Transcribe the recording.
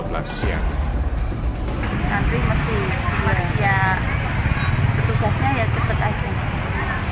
antre masih ya petugasnya ya cepet aja